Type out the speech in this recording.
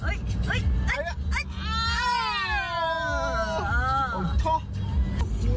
เฮียคบีเอ็งจนตกคล่อง